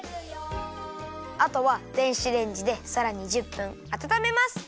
あとは電子レンジでさらに１０分あたためます！